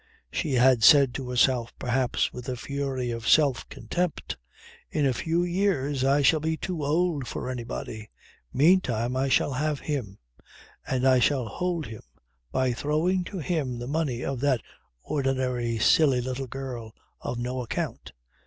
She had said to herself, perhaps with a fury of self contempt "In a few years I shall be too old for anybody. Meantime I shall have him and I shall hold him by throwing to him the money of that ordinary, silly, little girl of no account."